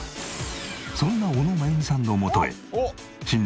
そんな小野真弓さんのもとへ新年